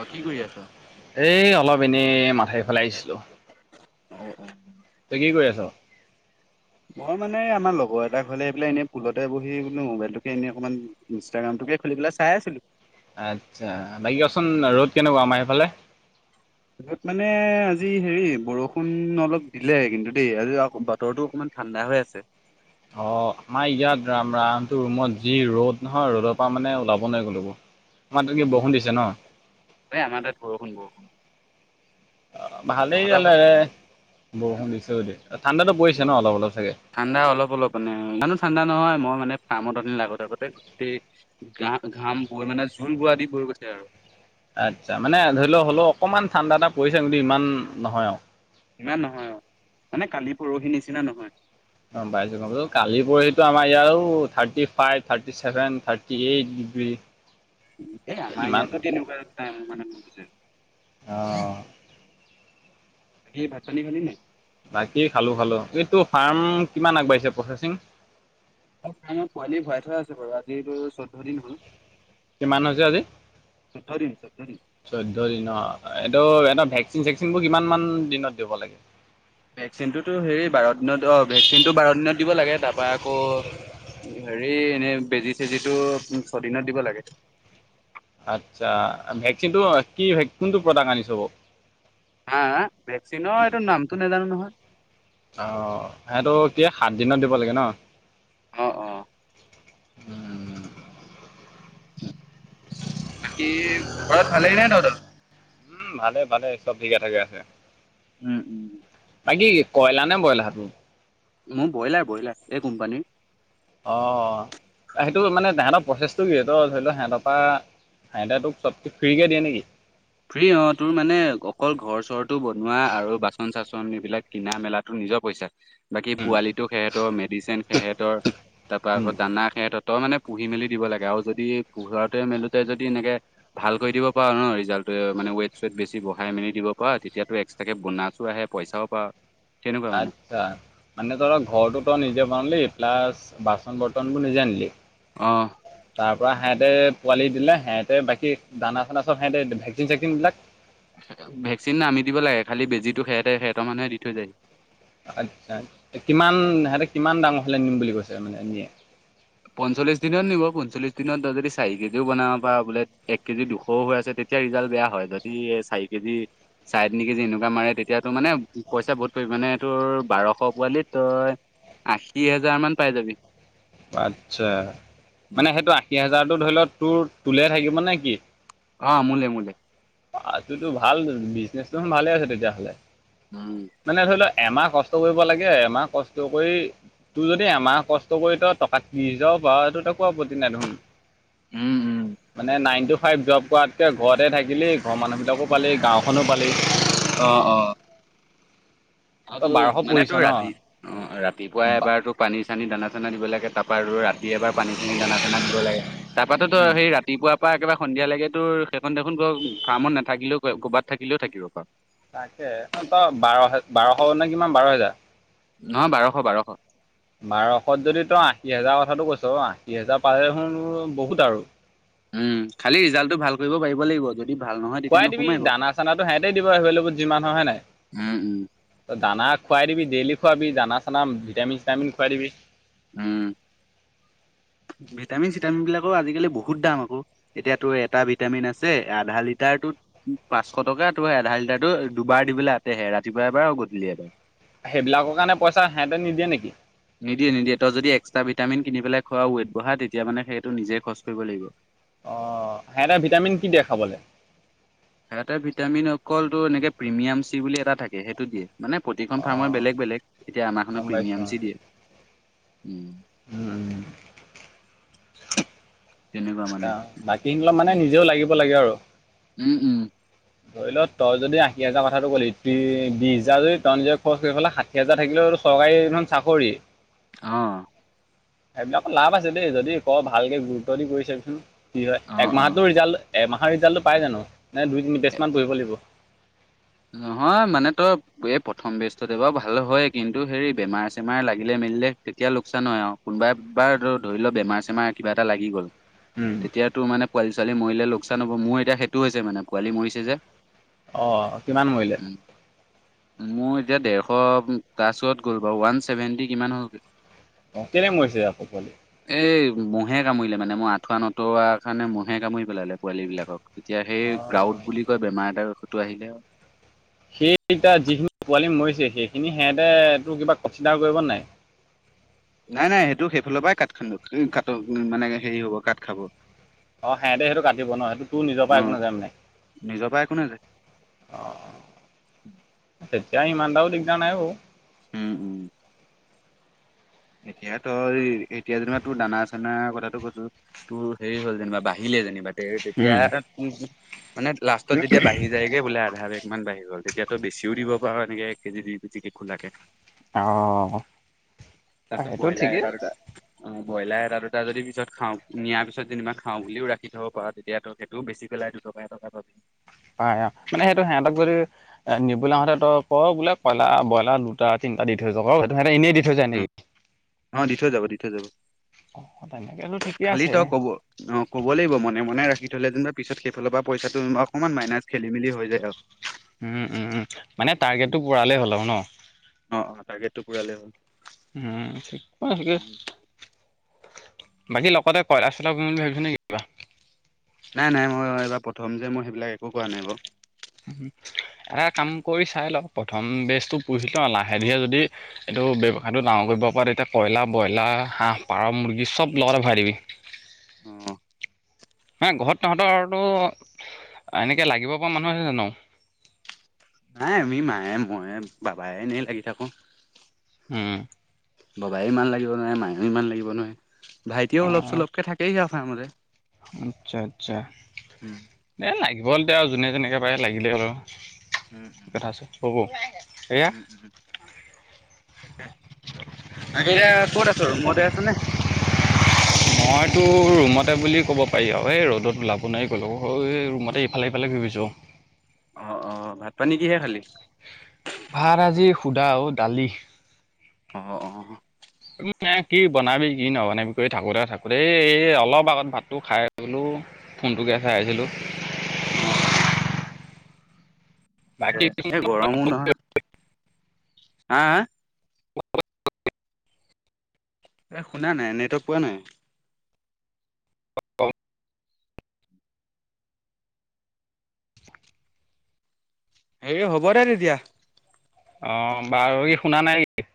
অ কি কৰি আছা? এ, এই অলপ এনেই মাথইফালে আহিছিলোঁ। অ, অ। তই কি কৰি আছ? মই মানে আমাৰ লগৰ এটা ক'লে বোলে, এনেই পুলটে বহি বোলো মোবাইলটোকে এনে অকমান ইনষ্টাগ্ৰামটোকে খুলি পেলাই চাই আছিলোঁ। আচ্ছা। বাকী ক'চোন আৰু ৰ'দ কেনেকুৱা আমাৰ এইফালে? ৰ'দ মানে আজি হেৰি বৰষুণ অলপ দিলে, কিন্তু দেই আজি বতৰটো অকণমান ঠাণ্ডা হৈ আছে। অ', আমাৰ ইয়াত ৰাম, ৰামটো ৰুমত যি ৰ'দ নহয়, ৰ'দৰ পৰা মানে ওলাব নোৱাৰি ক'লৈকো। আমাৰ তাত কি বৰষুণ দিছে ন'? অই আমাৰ তাত বৰষুণ, বৰষুণ। ভালেই তহঁতৰ হ'লে ফালে? বৰষুণ দিছে যদি। ঠাণ্ডাতো পৰিছে ন' অলপ, অলপ চাগে। ঠাণ্ডা অলপ অলপ মানে। ইমানো ঠাণ্ডা নহয়, মই মানে ফাৰ্মত লাগোতে আতে গোটেই গাত ঘাম বৈ মানে জোল বোৱা দি' বৈ' গৈছে আৰু। আচ্ছা। মানে ধৰি লও হ'লেও অকণমান ঠাণ্ডা এটা পৰিছে কিন্তু ইমান নহয় আৰু। ইমান নহয় অ', মানে কালি পৰহি নিচিনা নহয়। গম পাইছোঁ, গম পাইছোঁ। কালি পৰহি আমাৰ ইয়াতটো thirty five, thirty seven, thirty eight degree. এ, আমাৰ ইমান ইয়াতো তেনেকুৱাই মানে নুবুজে। অ'। বাকী ভাতা-পানী খালি নেকি? বাকী খালোঁ, খালোঁ। এইটো ফাৰ্ম কিমান আগবাঢ়িছে প্ৰচেচিং? পোৱালি ভৰাই থোৱা আছে বাৰু, আজি চৈধ্য দিন হ'ল। কিমান হৈছে আজি? চৈধ্য দিন চৈধ্য দিন। চৈধ্য দিনৰ অ'। এইটো ভেকচিন চেকচিনবোৰ কিমান মান দিনত দিব লাগে? ভেক চিনটোতো হেৰি বাৰ দিনত অ', ভেকচিনটো বাৰ দিনত দিব লাগে। তাৰ পৰা আকৌ হেৰি এনেই বেজি চেজিটো ছদিনত দিব লাগে। আচ্ছা। ভেকচিনটো কি কোনটো প্ৰডাক্ট আনিছ বাওঁ? হা' হা' ভেকচনৰ এইটো নামটো নোজানো নহয়। অ'। সেইটো কি সাত দিনত দিব লাগে ন'! অ', অ'। উম বাকি ঘৰত ভালে নে নাই তহতৰ? উম', ভালে, ভালে চব ঠিকে থাকে আছে। উম। বাকি কি কয়লা নে ব্ৰইলা? মোৰ ব্ৰইলাৰ, ব্ৰইলাৰ এই কোম্পানীৰ। অ', অ'। সেইটো মানে তাহেতৰ প্ৰচেছটো কি এইটো ধৰি লোৱা সেহতৰ পৰা ফাইডা তোক চব ফ্ৰীকে দিয়ে নেকি? ফ্ৰী হ' তোৰ মানে অকল ঘৰ চৰটো বনোৱা আৰু বাচন-চাচন এইবিলাক কিনা মেলাতো নিজৰ পইচা। বাকী পোৱালিটো সেহঁতৰ, মেডিচিন সেহঁতৰ, তাৰপা উম। আকৌ দানা সেহঁতৰ। তই মানে পুহি মেলি দিব লাগে আৰু যদি, পঢ়ুতে মেলোতে যদি এনেকে ভাল কৰি দিব পাৰ ন' ৰিজাল্ট। মানে ৱেট চেট বেছি বহাই মেলি দিব পাৰ, তেতিযাটো এক্সট্ৰাকে বনৌচ আহে পইচাও পাওঁ। আত আচ্ছা। মানে তই ঘৰটো তই নিজে বনিলি, প্লাছ বাচন-বৰ্তনবোৰ নিজে আনিলি। অ'। তাৰপা সেহঁতে পোৱালি দিলে, সেহতে বাকী দানা চানা চব সিহঁতে ভেকচিন চেকচিনবিলাক ভেকচিন আমি দিব লাগে, খালি বেজিতো সেহতৰ সিহতৰ মানুহে দি থৈ যায়হি। আচ্ছা, কিমান সিহঁতে কিমান ডাঙৰ প্লেনিং বুলি কৈছে মানে! [unintelligible] পঞ্চল্লিশ দিনত নিব পঞ্চল্লিশ দিনত তই যদি চাৰি কেজিও বনাব পাৰ বোলে। এক কেজি দুশও হৈ আছে তে। তেতিয়া ৰিজাল্ট বেয়া হয়, যদি এ চাৰি কেজি। ছাৰে তিনি কেজি এনেকুৱা মাৰে তেতিয়াতো মানে পইচা বহুত পৰিমানে তোৰ বাৰশ পোৱালিত তই। আশী হাজাৰ মান পাই যাবি। আচ্ছা মানে সেইটো আশী হাজাৰতো ধৰি ল তোৰ তোলে থাকিব নে কি? অ' মোলে মোলে। অ' যোনটো ভাল বিজনেচটো ভালে আছে তেতিয়াহ'লে। উম। মানে ধৰি ল এমাহ কষ্ট কৰিব লাগে। এমাহ কষ্ট কৰি তোৰ যদি এমাহ কষ্ট কৰি ত। টকা ত্ৰিশ হাজাৰো পাৱ এইটো তো আপত্তি নাই দেখোন। উম উম। মানে নাইন টু ফাইভ জব কৰাতকৈ ঘৰতে থাকিলে ঘৰৰ মানুহবিলাকো পালি গাঁওখনো পালি। অ' অ' অ তই তোৰ বাৰশ মানে পৰিছ তোৰ ন ৰাতি অ' উম ৰাতিপুৱাই এবাৰ তো। পানী চানী দানা চানা দিব লাগে। তাৰপৰা ৰাতি এবাৰ পানী চানী দানা চানা দিব লাগে তাৰপাতো তই সেই ৰাতি। ৰাতিপুৱাৰ পৰা একেবাৰে সন্ধিয়া লৈকে তোৰ সেইখন দেখোন ক ফাৰ্মত নাথাকিলেও ক'বাত থাকিলেও থাকিব পাৰ। তাকে ন তই বাৰ বাৰশ নে কিমান বাৰ হেজাৰ। নহয় বাৰশ বাৰশ। বাৰশত যদি তই আশী হাজাৰ কথাটো কৈছ আশী হাজাৰ পালে দেখোন বহুত আৰু। উম খালি ৰিজাল্টটো ভাল কৰিব পাৰিব লাগিব। যদি ভাল নহয়। তেতিয়া খোৱাই দিবি নোসোমাই বাৰু দানা চানাতো সিহঁতেই দিব এভেইলবল যিমান হয় হয়নে নাই। উম উম ত দানা খুৱাই দিবি ডেইলি খুৱাবি দানা চানা ভিটামিন চিটামিন খুৱাই দিবি। উম ভিটামিন চিটামিন বিলাকৰো আজিকালি বহুত দাম আকৌ। এতিয়া তোৰ এটা ভিটামিন আছে আধা লিটাৰটোত। পাঁচশ টকা টো আধা লিটাৰটো দুবাৰ দিবলৈ আতেহে ৰাতিপুৱা এবাৰ আৰু গধূলি এবাৰ। সেইবিলাকৰ কাৰণে পইচা সিহঁতে নিদিয়ে নেকি? নিদিয়ে নিদিয়ে তই যদি এক্সট্ৰা ভিটামিন কিনি পেলাই খোৱাঅ' ৱেট বঢ়া তেতিয়া মানে সেইটো নিজে খৰচ কৰিব লাগিব। অ সিহঁতে ভিটামিন কি দিয়ে খাবলৈ। সিহঁতে ভিটামিন অকল তোৰ এনেকে প্ৰিমিয়াম চি বুলি এটা থাকে সেইটো দিয়ে। মানে প্ৰতিখন অ ফাৰ্মৰ বেলেগ বেলেগ এতিয়া গম আমাৰখনত পাইছোঁ প্ৰিমিয়াম চি দিয়ে। উম উম উম। তেনেকুৱা মানে অ বাকী অলপ মানে নিজেও লাগিব লাগে আৰু। উম উম। ধৰি ল তই যদি আশী হাজাৰ কথাটো কলি ত বিশ হাজাৰ যদি তই নিজে খৰচ কৰি পেলে ষাঠি হেজাৰ থাকিলেও তো চৰকাৰী দেখোন চাকৰি। অ' সেইবিলাকৰ লাভ আছে দেই যদি কৰ ভালকে গুৰুত্ব দি কৰি চাবিচোন কি হয় অ', এক মাহত। অ'। তোৰ ৰিজাল্ট এমাহৰ ৰিজাল্টো পাই জানো নে দুই তিনি বেষ্ট মান পৰিব লাগিব। নহয় মানে তই। এই প্ৰথম বেষ্টতে বাৰু ভাল হয় কিন্তু হেৰি বেমাৰ চেমাৰ লাগিলে মেলিলে তেতিয়া লোকচান হয় আৰু। কোনোবাই বাৰ ধৰি লওক বেমাৰ চেমাৰ কিবা এটা লাগি গ'ল। তেতিয়া তোৰ মানে পোৱালি ছোৱালি মৰিলে লোকচান হ'ব মোৰ এতিয়া সেইটো হৈছে মানে পোৱালি মৰিছে যে। অ' কিমান মৰিল? [inaudible] মোৰ এতিয়া ডেৰশ প্লাছত গ'ল বাৰু, ওৱান ছেভেণ্টি কিমান হ'লগে। অ', কেলে মৰিছে আকৌ পোৱালি? এই ম'হে কামুৰিলে মানে, মই আঠুৱা নতৰা কাৰণে ম'হে কামুৰি পেলালে পোৱালীবিলাকক। এতিয়া সেই অঁ গ্ৰাউড বুলি কয় বেমাৰ এটাৰ সৌটো আহিলে। সেইকিটা যিখিনি পোৱালি মৰিছে, সেইখিনি সিহঁতে তোৰ কিবা কনচিডাৰ কৰিব নে নাই? নাই, নাই সেইটো সেইফালৰ পৰাই কাট খাব কা মানে হেৰি হ'ব কাট খাব। অ', সেহেতে সেইটো কাটিব ন, সেইটো তোৰ নিজৰ অ পৰা একো নাযায় মানে! নিজৰ পৰা একো নাযায় অ', তেতিয়া ইমান এটাও দিগদাৰ নাই বাৰু। উম। এতিয়া, তই এতিয়া যেনিবা তোৰ দানা চানা কথাটো কৈছোঁ। তোৰ হেৰি হ'ল যেনিবা, বাহিলে যেনিবা। তেতিয়া উম, মানে লাষ্টত, যেতিয়া বাঢ়ি যায়। তাকে বোলে আধা কেজিকে বাঢ়ি গ'ল, তেতিয়া বেছিও দিব পাৰা এনেক এক কেজি দুই কেজি কে খোলাকে। অ'। তাতো সেইটো কয়লাৰ ঠিকেই এটা দুটা। উম, ব্ৰইলাৰ এটা দুটা যদি পিছত খাওঁ নিয়াৰ পিছত যেনিবা খাওঁ বুলিও ৰাখি থ'ব পাৰ তেতিয়াটো তইও বেচি পেলাই দুটকা এটকা পাবি। পাই অ', মানে সেইটো সেহঁতক যদি এ, নিবলৈ আহোঁতে তই ক' বোলে বইলা, ব্ৰইলাৰ দুটা তিনিটা দি যাব, তেহঁতে এনেই দি থৈ যায় উম, নেকি? অ', দি থৈ যাব, দি থৈ যাব। অ', [unintelligible] ঠিকে খালি আছে। তই ক'ব অ', ক'ব লাগিব মনে, মনে ৰাখি থ'লে যেনিবা পিছত সেইফালৰ পৰা পইচাটো অকমান মাইনাচ খেলি মেলি হৈ যায় আৰু। উম, উম, উম, মানে টাৰগ্ৰেটো অ পোৰালেই হ'ল আৰু ন'! অ', টাৰগ্ৰেটো পুৰালে হ'ল। উম, ঠিকে আছে। বাকী লগতে কয়লা [unintelligible] বুলি ভাবিছো নেকি? নাই, নাই মই এইবাৰ প্ৰথম যে মই সেইবিলাক একো কৰা নাই বাৰু। এটা কাম কৰি চাই লওঁক, প্ৰথম বেজটো পুহি লওঁ লাহে ধীৰে যদি এইটো ব্যৱসায়টো ডাঙৰ কৰিব পাৰে, এতিয়া কয়লাৰ ব্ৰইলাৰ হাঁহ পাৰ মুৰ্গী চব লগতে ভৰাই দিবি। উম। নাই ঘৰত তহঁতৰ এনেকৈ লাগিব পৰা মানুহ আছে জানো? নাই আমি মায়ে মইে বাবায়ে এনেই লাগি থাকোঁ। উম। বাবাই ইমান লাগিব নোৱাৰে, মায়ো ইমান লাগিব নোৱাৰে। ভাইটিও অলপ অ', চলপকে থাকে হি আৰু ফাৰ্মতে, আচ্ছা আচ্ছা। উম। এ, লাগিবলে দে আৰু যোনে যেনেকে পাৰে লাগিলে হ'ল। উম, উম। কথা আছে [unintelligible] এ উম উম। এতিয়া ক'ত আছ আৰু ৰুমতে আছ নে? [inaudible] মইতো ৰুমতে বুলি ক'ব পাৰি আৰু এই ৰ'দত ওলাব নোৱাৰি গ'লো এই ৰুমতে ইফালে সিফাল ঘুৰি ফুৰিছোঁ। অ', অ', ভাত পানী কিহে খালি? ভাত আজি শুদা অ', দালি। অ', অ'। [unintelligible] কি বনাবি, কি নবনাবি কৰি থাকোঁতে, থাকোঁতে এই, এই অলপ আগত ভাতটো খাই বোলো ফোনটোকে চাই আহিছিলোঁ। অঁ অঁ। এ বাকী এই গৰমো নহয়। হা হা। এ শুনা নাই নেটৱৰ্ক পোৱা নাই। অঁ অঁ। হেৰি হ'ব দে তেতিয়া। অ' বাৰু কি শুনা নাই নেকি?